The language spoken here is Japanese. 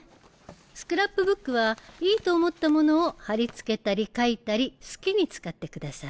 スクラップブックはいいと思ったものを貼り付けたり描いたり好きに使ってください。